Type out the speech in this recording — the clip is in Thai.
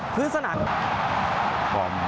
พื้นสนั่ง